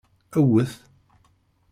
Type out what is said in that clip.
Ewwet!